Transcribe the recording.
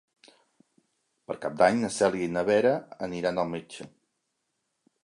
Per Cap d'Any na Cèlia i na Vera aniran al metge.